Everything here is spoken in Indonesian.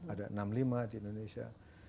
ada enam puluh lima di indonesia